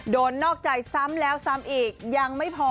นอกใจซ้ำแล้วซ้ำอีกยังไม่พอ